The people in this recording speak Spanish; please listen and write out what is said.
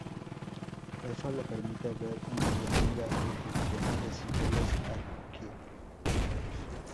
Eso le permite ver una llanura virgen llena de símbolos arquetípicos.